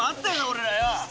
俺らよ。